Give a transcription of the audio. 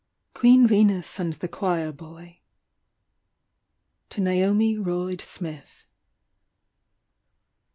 QUEEN VENUS AND THE CHOIR BOY. To Naomi Royde Smith.